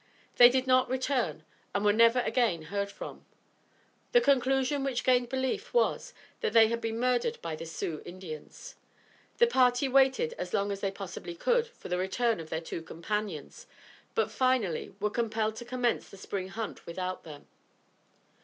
They did not return and were never again heard from. The conclusion which gained belief was, that they had been murdered by the Sioux Indians. The party waited as long as they possibly could for the return of their two companions, but, finally, were compelled to commence the spring hunt without them.